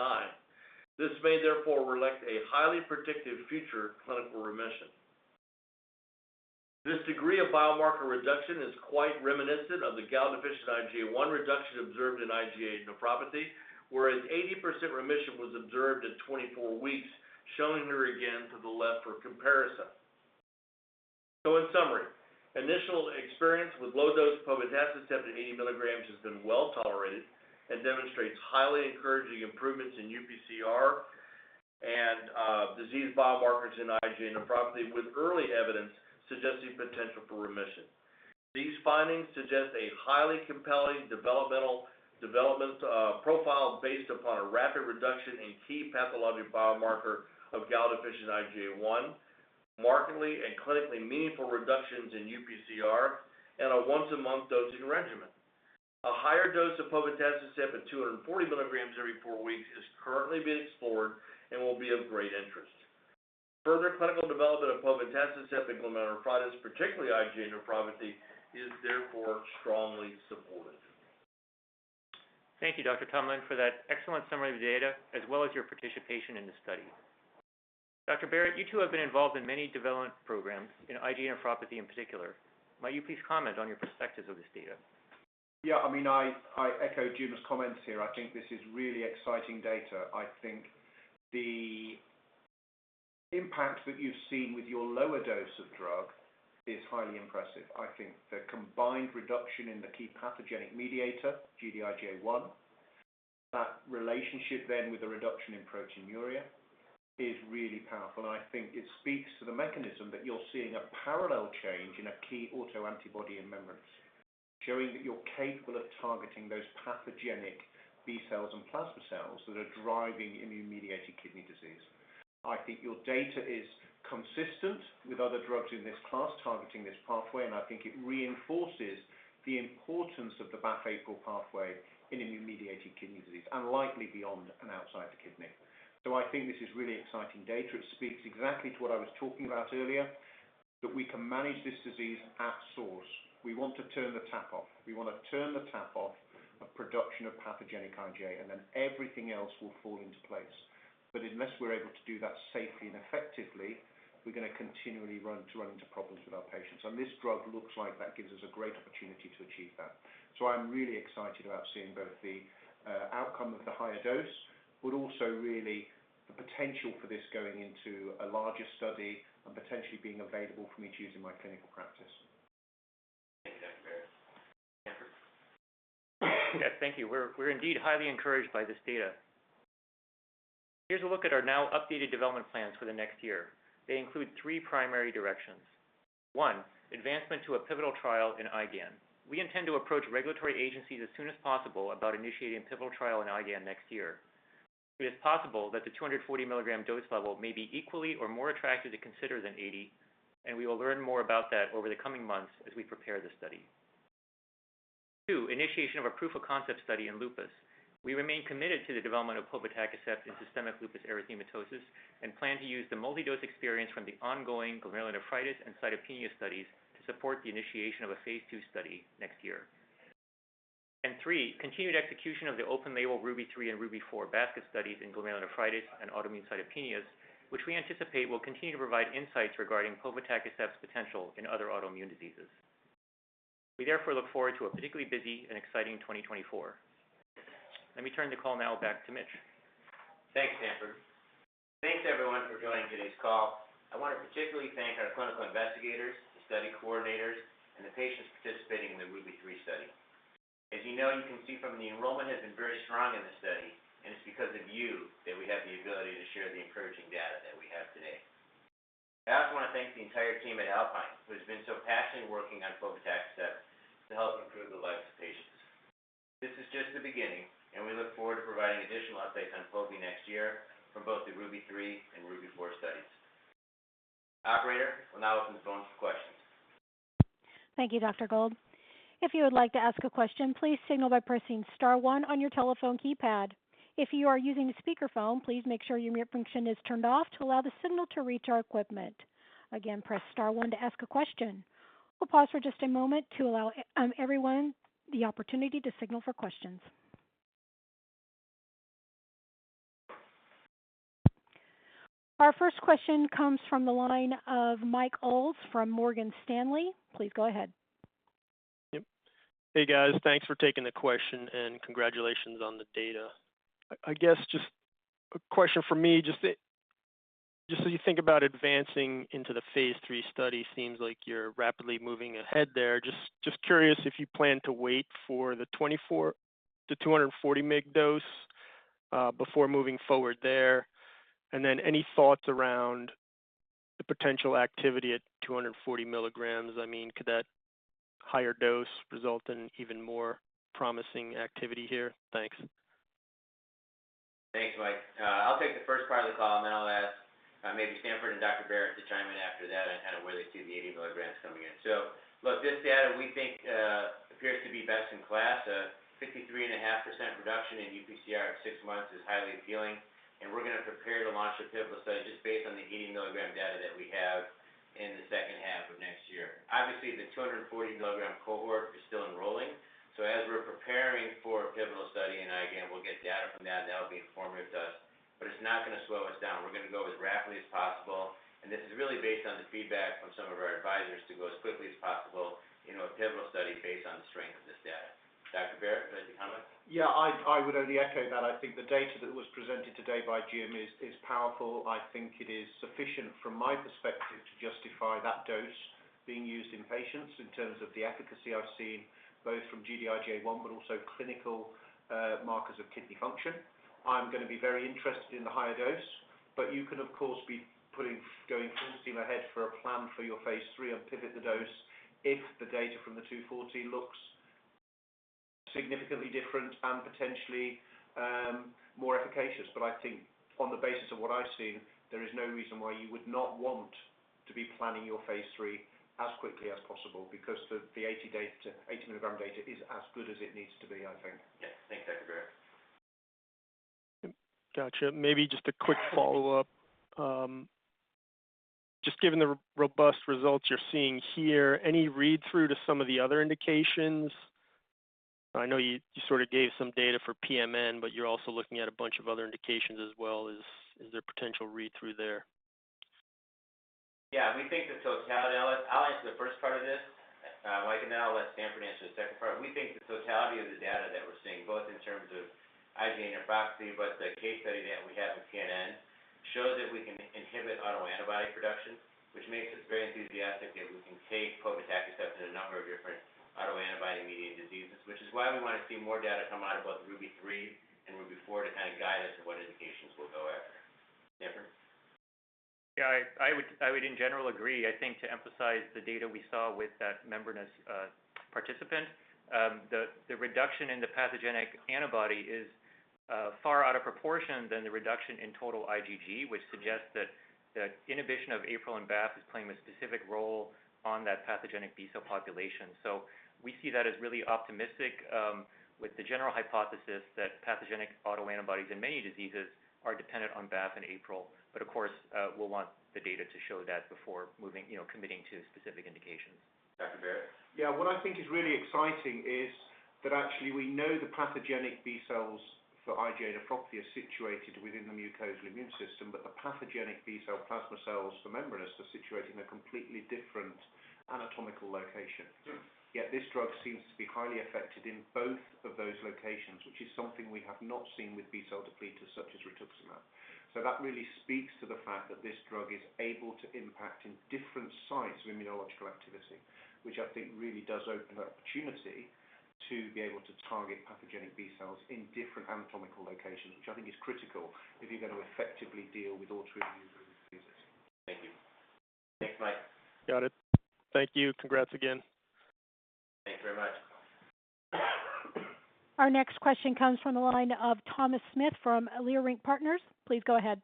This may therefore reflect a highly predictive future clinical remission. This degree of biomarker reduction is quite reminiscent of the Gd-IgA1 reduction observed in IgA nephropathy, whereas 80% remission was observed at 24 weeks, shown here again to the left for comparison. So in summary, initial experience with low-dose povetacicept of 80mg has been well tolerated and demonstrates highly encouraging improvements in UPCR and disease biomarkers in IgA nephropathy, with early evidence suggesting potential for remission. These findings suggest a highly compelling development profile based upon a rapid reduction in key pathologic biomarker of Gd-IgA1, markedly and clinically meaningful reductions in UPCR, and a once-a-month dosing regimen. A higher dose of povetacicept at 240mg every four weeks is currently being explored and will be of great interest. Further clinical development of povetacicept in glomerulonephritis, particularly IgA nephropathy, is therefore strongly supported. Thank you, Dr. Tumlin, for that excellent summary of the data, as well as your participation in the study. Dr. Barratt, you two have been involved in many development programs in IgA nephropathy in particular. Might you please comment on your perspectives of this data? Yeah, I mean, I echo Jim's comments here. I think this is really exciting data. I think the impact that you've seen with your lower dose of drug is highly impressive. I think the combined reduction in the key pathogenic mediator, Gd-IgA1, that relationship then with a reduction in proteinuria is really powerful, and I think it speaks to the mechanism that you're seeing a parallel change in a key autoantibody in membranous, showing that you're capable of targeting those pathogenic B cells and plasma cells that are driving immune-mediated kidney disease. I think your data is consistent with other drugs in this class targeting this pathway, and I think it reinforces the importance of the BAFF/APRIL pathway in immune-mediated kidney disease and likely beyond and outside the kidney. So I think this is really exciting data. It speaks exactly to what I was talking about earlier, that we can manage this disease at source. We want to turn the tap off. We want to turn the tap off of production of pathogenic IgA, and then everything else will fall into place. But unless we're able to do that safely and effectively, we're going to continually run into problems with our patients, and this drug looks like that gives us a great opportunity to achieve that. So I'm really excited about seeing both the outcome of the higher dose, but also really the potential for this going into a larger study and potentially being available for me to use in my clinical practice. Thank you, Dr. Barratt. Stanford? Yeah, thank you. We're, we're indeed highly encouraged by this data. Here's a look at our now updated development plans for the next year. They include three primary directions. One, advancement to a pivotal trial in IgAN. We intend to approach regulatory agencies as soon as possible about initiating a pivotal trial in IgAN next year. It is possible that the 240mg dose level may be equally or more attractive to consider than 80, and we will learn more about that over the coming months as we prepare this study. Two, initiation of a proof of concept study in lupus. We remain committed to the development of povetacicept in systemic lupus erythematosus and plan to use the multi-dose experience from the ongoing glomerulonephritis and cytopenia studies to support the initiation of a phase II study next year. And three, continued execution of the open-label RUBY-3 and RUBY-4 basket studies in glomerulonephritis and autoimmune cytopenias, which we anticipate will continue to provide insights regarding povetacicept's potential in other autoimmune diseases. We therefore look forward to a particularly busy and exciting 2024. Let me turn the call now back to Mitch. Thanks, Stanford. Thanks, everyone, for joining today's call. I want to particularly thank our clinical investigators, the study coordinators, and the patients participating in the RUBY-3 study. As you know, you can see from the enrollment has been very strong in the study, and it's because of you that we have the ability to share the encouraging data that we have today. I also want to thank the entire team at Alpine, who has been so passionately working on povetacicept to help improve the lives of patients. This is just the beginning, and we look forward to providing additional updates on povi next year from both the RUBY-3 and RUBY-4 studies. Operator, we'll now open the phone for questions. Thank you, Dr. Gold. If you would like to ask a question, please signal by pressing star one on your telephone keypad. If you are using a speakerphone, please make sure your mute function is turned off to allow the signal to reach our equipment. Again, press star one to ask a question. We'll pause for just a moment to allow everyone the opportunity to signal for questions. Our first question comes from the line of Mike Ulz from Morgan Stanley. Please go ahead. Yep. Hey, guys. Thanks for taking the question and congratulations on the data. I guess just a question for me, just so you think about advancing into the phase III study, seems like you're rapidly moving ahead there. Just curious if you plan to wait for the 24, the 240mg dose before moving forward there. And then any thoughts around the potential activity at 240mg? I mean, could that higher dose result in even more promising activity here? Thanks. Thanks, Mike. I'll take the first part of the call, and then I'll ask, maybe Stanford and Dr. Barratt to chime in after that on kind of where they see the 80mg coming in. So look, this data we think appears to be best in class. A 53.5% reduction in UPCR at six months is highly appealing, and we're going to prepare to launch a pivotal study just based on the 80 mg data that we have in the H2 of next year. Obviously, the 240 mg cohort is still enrolling, so as we're preparing for a pivotal study in IgAN, we'll get data from that, and that will be informative to us, but it's not going to slow us down. We're going to go as rapidly as possible, and this is really based on the feedback from some of our advisors to go as quickly as possible into a pivotal study based on the strength of this data. Dr. Barratt, would you like to comment? Yeah, I would only echo that. I think the data that was presented today by Jim is powerful. I think it is sufficient from my perspective, to justify that dose being used in patients in terms of the efficacy I've seen, both from Gd-IgA1, but also clinical markers of kidney function. I'm going to be very interested in the higher dose, but you can of course be putting going full steam ahead for a plan for your phase III and pivot the dose if the data from the 240 looks significantly different and potentially more efficacious. But I think on the basis of what I've seen, there is no reason why you would not want to be planning your phase III as quickly as possible, because the eighty data, 80mg data is as good as it needs to be, I think. Yes. Thanks, Dr. Barratt. Gotcha. Maybe just a quick follow-up. Just given the robust results you're seeing here, any read-through to some of the other indications? I know you sort of gave some data for PMN, but you're also looking at a bunch of other indications as well. Is there potential read-through there? Yeah, we think the totality, I'll answer the first part of this, Mike, and then I'll let Stanford answer the second part. We think the totality of the data that we're seeing, both in terms of IgA nephropathy, but the case study that we have in pMN, shows that we can inhibit autoantibody production, which makes us very enthusiastic that we can take povetacicept in a number of different autoantibody-mediated diseases. Which is why we want to see more data come out of both RUBY-3 and RUBY-4 to kind of guide us on what indications we'll go after. Stanford? Yeah, I would, in general, agree. I think to emphasize the data we saw with that membranous participant, the reduction in the pathogenic antibody is far out of proportion than the reduction in total IgG, which suggests that the inhibition of APRIL and BAFF is playing a specific role on that pathogenic B-cell population. So we see that as really optimistic, with the general hypothesis that pathogenic autoantibodies in many diseases are dependent on BAFF and APRIL. But of course, we'll want the data to show that before moving, you know, committing to specific indications. Dr. Barratt? Yeah. What I think is really exciting is that actually we know the pathogenic B-cells for IgA nephropathy are situated within the mucosal immune system, but the pathogenic B-cell plasma cells for membranous are situated in a completely different anatomical location. Mm-hmm. Yet this drug seems to be highly effective in both of those locations, which is something we have not seen with B-cell depleters, such as rituximab. So that really speaks to the fact that this drug is able to impact in different sites of immunological activity, which I think really does open an opportunity to be able to target pathogenic B-cells in different anatomical locations, which I think is critical if you're going to effectively deal with all three of these diseases. Thank you. Thanks, Mike. Got it. Thank you. Congrats again. Thanks very much. Our next question comes from the line of Thomas Smith from Leerink Partners. Please go ahead.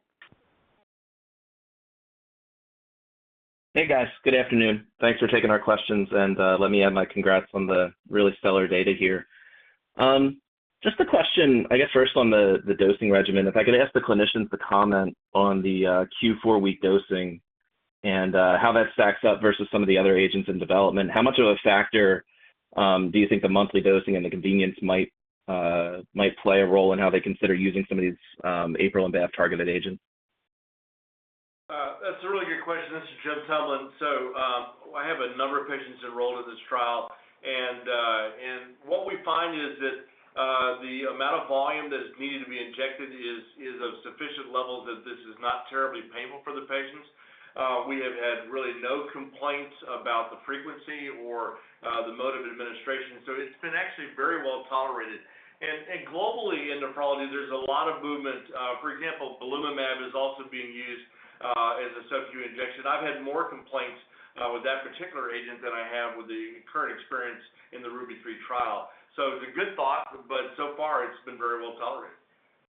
Hey, guys. Good afternoon. Thanks for taking our questions, and let me add my congrats on the really stellar data here. Just a question, I guess, first on the dosing regimen. If I could ask the clinicians to comment on the Q4 week dosing and how that stacks up versus some of the other agents in development. How much of a factor do you think the monthly dosing and the convenience might play a role in how they consider using some of these APRIL and BAFF-targeted agents? That's a really good question. This is James Tumlin. So, I have a number of patients enrolled in this trial, and what we find is that the amount of volume that is needed to be injected is of sufficient level that this is not terribly painful for the patients. We have had really no complaints about the frequency or the mode of administration, so it's been actually very well tolerated. And globally in nephrology, there's a lot of movement. For example, belimumab is also being used as a Sub-Q injection. I've had more complaints with that particular agent than I have with the current experience in the RUBY-3 trial. So it's a good thought, but so far it's been very well tolerated.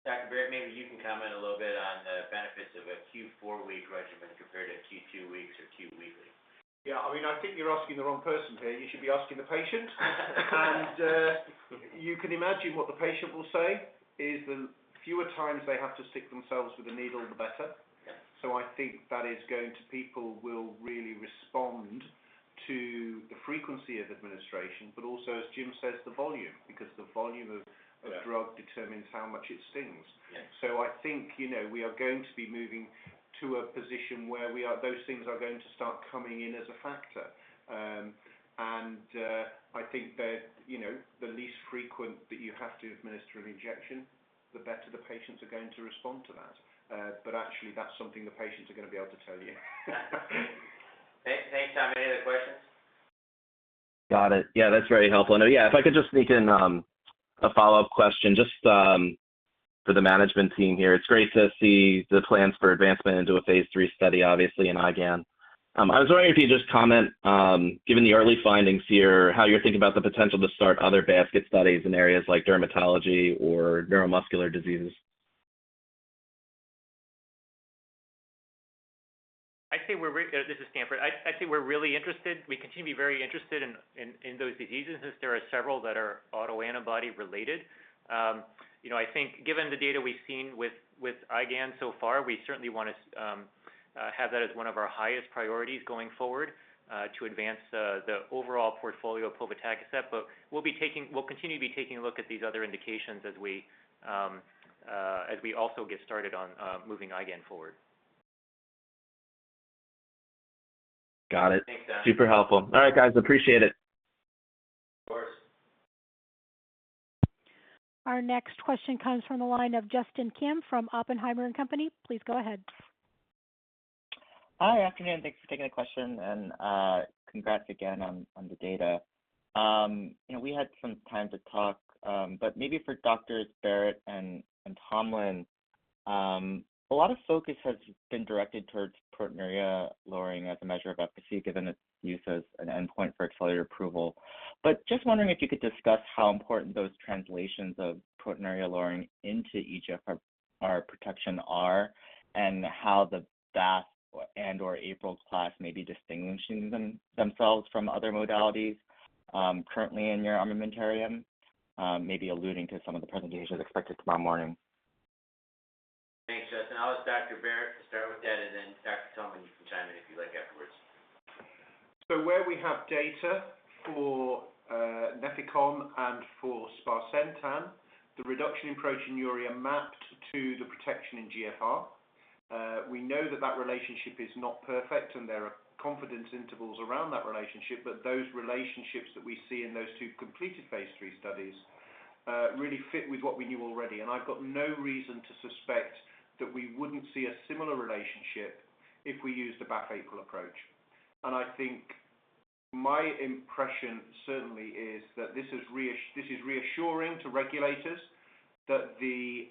Dr. Barratt, maybe you can comment a little bit on the benefits of a Q4-week regimen compared to a Q2 weeks or Q weekly? Yeah, I mean, I think you're asking the wrong person here. You should be asking the patient. And, you can imagine what the patient will say is, the fewer times they have to stick themselves with a needle, the better. Yeah. I think that is going to. People will really respond to the frequency of administration, but also, as Jim says, the volume, because the volume of. Yeah The drug determines how much it stings. Yeah. I think, you know, we are going to be moving to a position where we are, those things are going to start coming in as a factor. I think that, you know, the least frequent that you have to administer an injection, the better the patients are going to respond to that. But actually, that's something the patients are going to be able to tell you. Thanks, Tom. Any other questions? Got it. Yeah, that's very helpful. And yeah, if I could just sneak in, a follow-up question just, for the management team here. It's great to see the plans for advancement into a phase III study, obviously, in IgAN. I was wondering if you could just comment, given the early findings here, how you're thinking about the potential to start other basket studies in areas like dermatology or neuromuscular diseases? This is Stanford. I'd say we're really interested. We continue to be very interested in those diseases, since there are several that are autoantibody related. You know, I think given the data we've seen with IgAN so far, we certainly want to have that as one of our highest priorities going forward to advance the overall portfolio of povetacicept. But we'll be taking. We'll continue to be taking a look at these other indications as we also get started on moving IgAN forward. Got it. Thanks, Stanford. Super helpful. All right, guys, appreciate it. Of course. Our next question comes from the line of Justin Kim from Oppenheimer and Company. Please go ahead. Hi, afternoon. Thanks for taking the question, and congrats again on the data. You know, we had some time to talk, but maybe for Doctors Barratt and Tumlin, a lot of focus has been directed towards proteinuria lowering as a measure of efficacy, given its use as an endpoint for accelerated approval. Just wondering if you could discuss how important those translations of proteinuria lowering into eGFR protection are, and how the BAFF and/or APRIL's class may be distinguishing them, themselves from other modalities currently in your armamentarium, maybe alluding to some of the presentations expected tomorrow morning? Thanks, Justin. I'll ask Dr. Barratt to start with that, and then Dr. Tumlin, you can chime in if you'd like afterwards. So where we have data for, Nefecon and for Sparsentan, the reduction in proteinuria mapped to the protection in GFR. We know that that relationship is not perfect, and there are confidence intervals around that relationship, but those relationships that we see in those two completed phase III studies, really fit with what we knew already. And I've got no reason to suspect that we wouldn't see a similar relationship if we used the BAFF/APRIL approach. And I think my impression certainly is that this is reassuring to regulators, that the,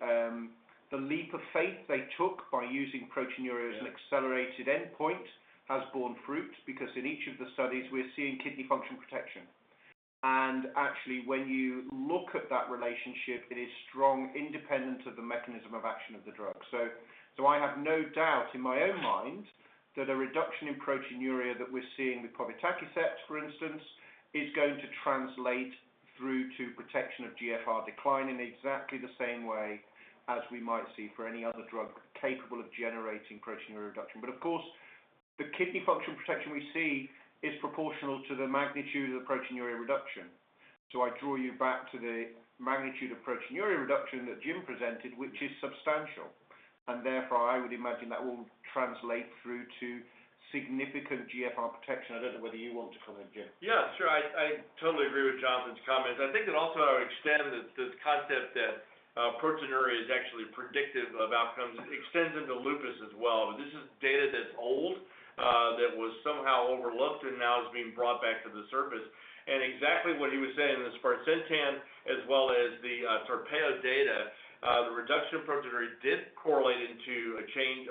the leap of faith they took by using proteinuria. Yeah As an accelerated endpoint has borne fruit, because in each of the studies, we're seeing kidney function protection. Actually, when you look at that relationship, it is strong, independent of the mechanism of action of the drug. So, so I have no doubt in my own mind that a reduction in proteinuria that we're seeing with povetacicept, for instance, is going to translate through to protection of GFR decline in exactly the same way as we might see for any other drug capable of generating proteinuria reduction. But of course, the kidney function protection we see is proportional to the magnitude of the proteinuria reduction. So I draw you back to the magnitude of proteinuria reduction that Jim presented, which is substantial, and therefore, I would imagine that will translate through to significant GFR protection. I don't know whether you want to comment, James. Yeah, sure. I totally agree with Jonathan's comments. I think it also extends that this concept that, I mean, proteinuria is actually predictive of outcomes, extends into lupus as well. This is data that's old, that was somehow overlooked and now is being brought back to the surface. Exactly what he was saying, the Sparsentan, as well as the Tarpeyo data, the reduction in proteinuria did correlate into a change,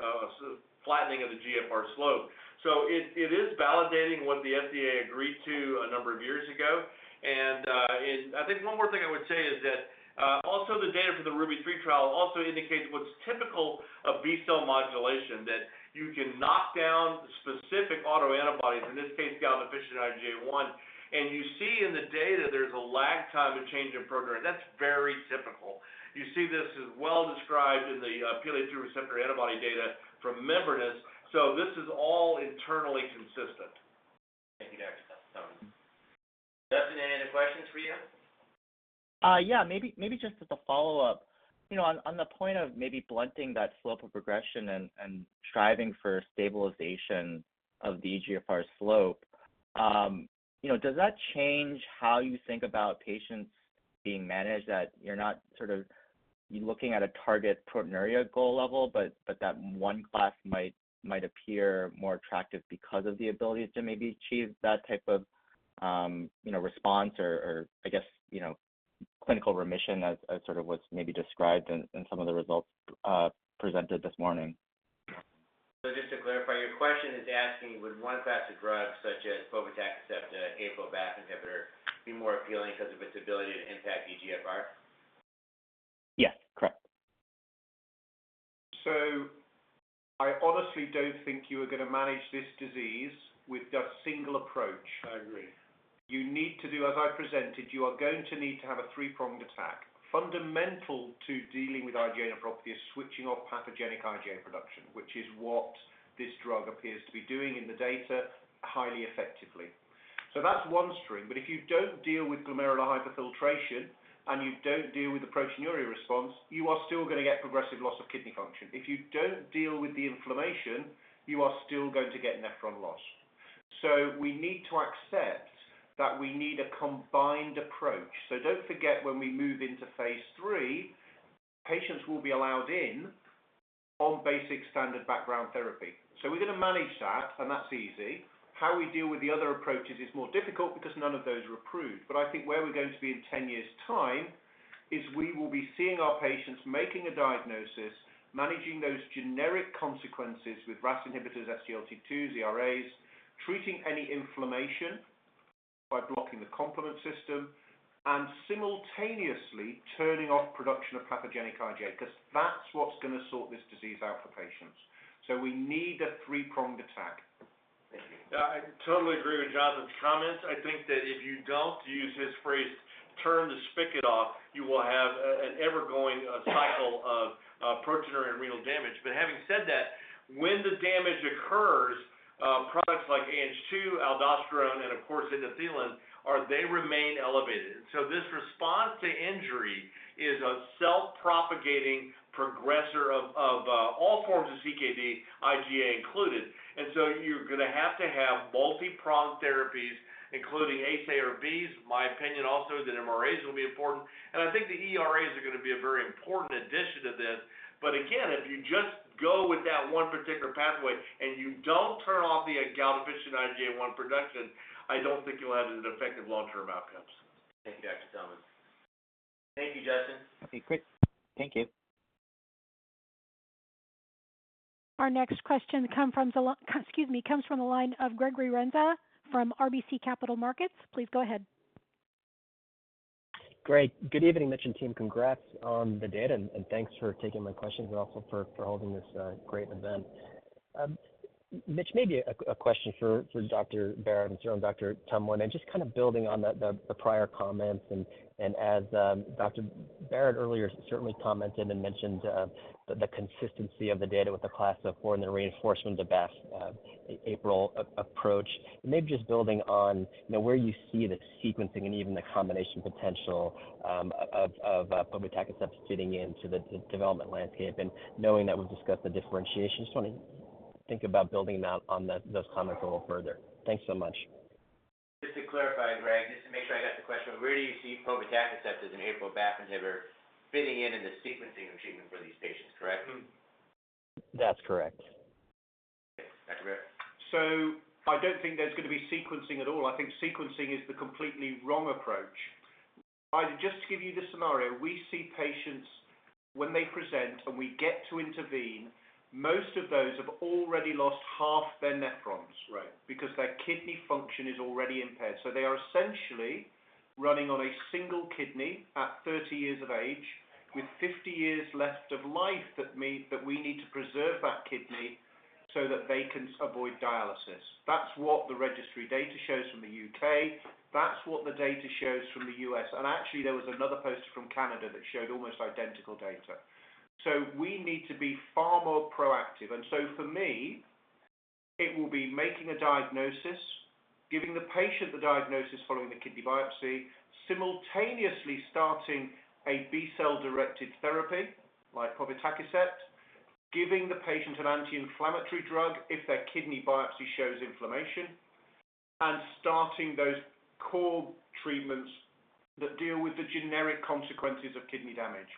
flattening of the GFR slope. It is validating what the FDA agreed to a number of years ago. I think one more thing I would say is that also the data for the RUBY-3 trial also indicates what's typical of B-cell modulation, that you can knock down specific autoantibodies, in this case, galactose-deficient IgA1, and you see in the data there's a lag time of change in program. That's very typical. You see this as well described in the PLA2R antibody data from membranous. So this is all internally consistent. Thank you, Dr. Tumlin. Justin, any questions for you? Yeah, maybe, maybe just as a follow-up. You know, on, on the point of maybe blunting that slope of progression and, and striving for stabilization of the eGFR slope, you know, does that change how you think about patients being managed, that you're not sort of looking at a target proteinuria goal level, but, but that one class might, might appear more attractive because of the ability to maybe achieve that type of, you know, response or, or I guess, you know, clinical remission as, as sort of what's maybe described in, in some of the results, presented this morning? So just to clarify, your question is asking, would one class of drugs, such as povetacicept, a BAFF/APRIL inhibitor, be more appealing because of its ability to impact eGFR? Yes, correct. I honestly don't think you are going to manage this disease with just single approach. I agree. You need to do as I presented, you are going to need to have a three-pronged attack. Fundamental to dealing with IgA nephropathy is switching off pathogenic IgA production, which is what this drug appears to be doing in the data highly effectively. So that's one string. But if you don't deal with glomerular hyperfiltration and you don't deal with the proteinuria response, you are still going to get progressive loss of kidney function. If you don't deal with the inflammation, you are still going to get nephron loss. So we need to accept that we need a combined approach. So don't forget, when we move into phase III, patients will be allowed in on basic standard background therapy. So we're going to manage that, and that's easy. How we deal with the other approaches is more difficult because none of those are approved. I think where we're going to be in 10 years' time, is we will be seeing our patients, making a diagnosis, managing those generic consequences with RAS inhibitors, SGLT2, MRAs, treating any inflammation by blocking the complement system, and simultaneously turning off production of pathogenic IgA, because that's what's going to sort this disease out for patients. We need a three-pronged attack. Thank you. I totally agree with Jonathan's comments. I think that if you don't use his phrase, "Turn the spigot off," you will have an evergoing cycle of proteinuria and renal damage. But having said that, when the damage occurs, products like Ang II, aldosterone, and of course, endothelin, they remain elevated. So this response to injury is a self-propagating progressor of all forms of CKD, IgA included. And so you're going to have to have multi-pronged therapies, including ACEI or ARBs. My opinion also is that MRAs will be important, and I think the ERAs are going to be a very important addition to this. But again, if you just go with that one particular pathway and you don't turn off the galactose-deficient IgA1 production, I don't think you'll have an effective long-term outcomes. Thank you, Dr. Tumlin. Thank you, Justin. Okay, great. Thank you. Our next question come from the, excuse me, comes from the line of Gregory Renza, from RBC Capital Markets. Please go ahead. Great, good evening, Mitch and team. Congrats on the data, and thanks for taking my questions and also for holding this great event. Mitch, maybe a question for Dr. Barratt and Dr. Tumlin, and just kind of building on the prior comments and as Dr. Barratt earlier certainly commented and mentioned the consistency of the data with the class IV and the reinforcement of the BAFF/APRIL approach. And maybe just building on, you know, where you see the sequencing and even the combination potential of povetacicept fitting into the development landscape and knowing that we've discussed the differentiation. Just want to think about building out on that, those comments a little further. Thanks so much. Just to clarify, Greg, just to make sure I got the question, Where do you see povetacicept as an APRIL/BAFF inhibitor fitting in, in the sequencing of treatment for these patients, correct? That's correct. Okay. Dr. Barratt? I don't think there's going to be sequencing at all. I think sequencing is the completely wrong approach. I'd just like to give you the scenario, we see patients when they present, and we get to intervene, most of those have already lost half their nephrons- Right. Because their kidney function is already impaired. So they are essentially running on a single kidney at 30 years of age, with 50 years left of life. That means that we need to preserve that kidney so that they can avoid dialysis. That's what the registry data shows from the UK That's what the data shows from the US And actually, there was another poster from Canada that showed almost identical data. So we need to be far more proactive. And so for me, it will be making a diagnosis, giving the patient the diagnosis following the kidney biopsy, simultaneously starting a B-cell-directed therapy like povetacicept, giving the patient an anti-inflammatory drug if their kidney biopsy shows inflammation, and starting those core treatments that deal with the generic consequences of kidney damage.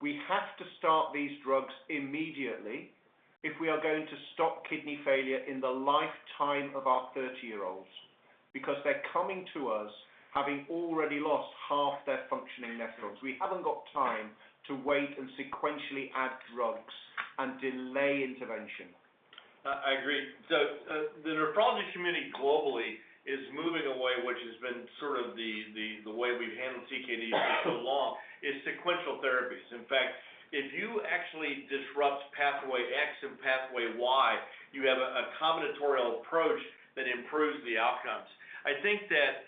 We have to start these drugs immediately if we are going to stop kidney failure in the lifetime of our 30-year-olds because they're coming to us, having already lost half their functioning nephrons. We haven't got time to wait and sequentially add drugs and delay intervention. I agree. So, the nephrology community globally is moving away, which has been sort of the way we've handled CKD for so long, is sequential therapies. In fact, if you actually disrupt pathway X and pathway Y, you have a combinatorial approach that improves the outcomes. I think that,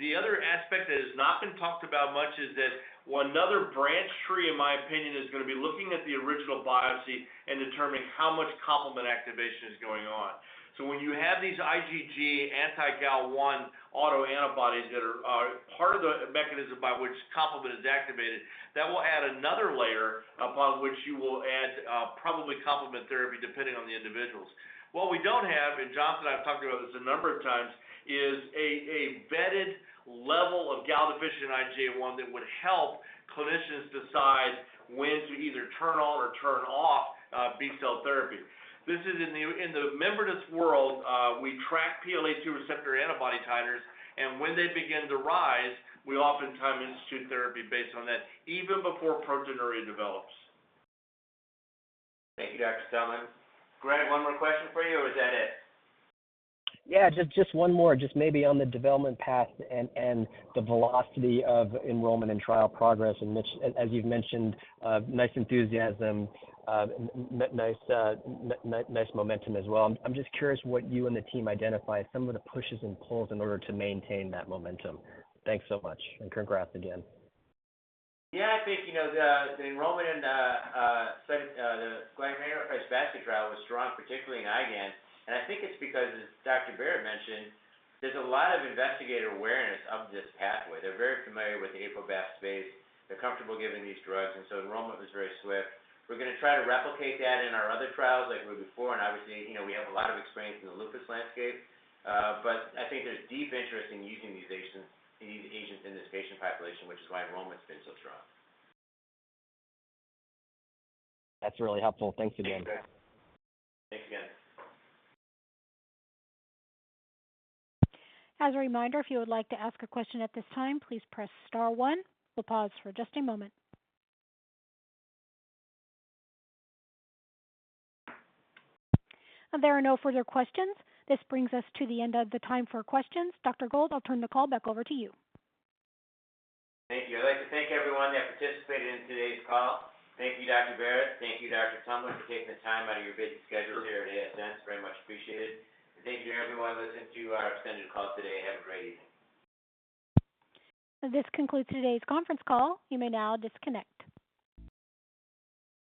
the other aspect that has not been talked about much is that another branch tree, in my opinion, is going to be looking at the original biopsy and determining how much complement activation is going on. So when you have these IgG anti-Gd-IgA1 autoantibodies that are part of the mechanism by which complement is activated, that will add another layer upon which you will add, probably complement therapy, depending on the individuals. What we don't have, and Johnson and I have talked about this a number of times, is a vetted level of galactose-deficient IgA1 that would help clinicians decide when to either turn on or turn off B-cell therapy. This is in the membranous world, we track PLA2R antibody titers, and when they begin to rise, we oftentimes institute therapy based on that, even before proteinuria develops. Thank you, Dr. Tumlin. Greg, one more question for you, or is that it? Yeah, just one more, just maybe on the development path and the velocity of enrollment and trial progress. And Mitch, as you've mentioned, nice enthusiasm, nice momentum as well. I'm just curious what you and the team identify as some of the pushes and pulls in order to maintain that momentum. Thanks so much, and congrats again. Yeah, I think, you know, the enrollment in the study, the RUBY-3 basket trial was strong, particularly in IgAN, and I think it's because, as Dr. Barratt mentioned, there's a lot of investigator awareness of this pathway. They're very familiar with the APRIL and BAFF space. They're comfortable giving these drugs, and so enrollment was very swift. We're going to try to replicate that in our other trials like we did before, and obviously, you know, we have a lot of experience in the lupus landscape. But I think there's deep interest in using these agents, these agents in this patient population, which is why enrollment's been so strong. That's really helpful. Thanks again. Thanks again. As a reminder, if you would like to ask a question at this time, please press star one. We'll pause for just a moment. There are no further questions. This brings us to the end of the time for questions. Dr. Gold, I'll turn the call back over to you. Thank you. I'd like to thank everyone that participated in today's call. Thank you, Dr. Barratt. Thank you, Dr. Tumlin, for taking the time out of your busy schedule here at ASN. It's very much appreciated. Thank you, everyone, listening to our extended call today. Have a great evening. This concludes today's conference call. You may now disconnect.